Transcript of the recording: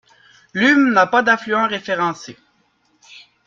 L'Hume n'a pas d'affluents référencés.